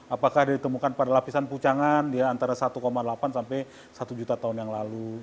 apakah ditemukan pada lapisan pucangan antara satu delapan sampai satu juta tahun yang lalu